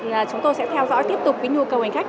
và chúng tôi sẽ theo dõi tiếp tục với nhu cầu hành khách